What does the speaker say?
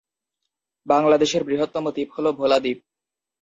বাংলাদেশের বৃহত্তম দ্বীপ হলো ভোলা দ্বীপ।